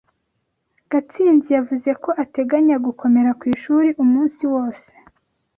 Gatsinzi yavuze ko ateganya gukomera ku ishuri umunsi wose.